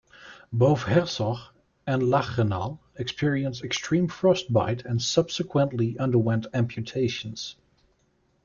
Both Herzog and Lachenal experienced extreme frostbite and subsequently underwent amputations.